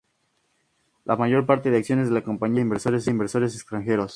La mayor parte de las acciones de la compañía fue vendida a inversores extranjeros.